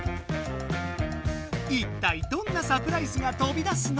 いったいどんなサプライズがとび出すのか？